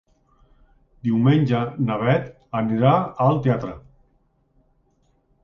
Diumenge na Beth anirà al teatre.